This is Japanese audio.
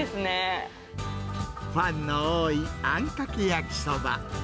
ファンの多いあんかけ焼きそば。